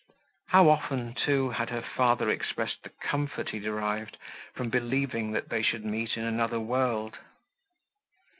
How often, too, had her father expressed the comfort he derived from believing, that they should meet in another world!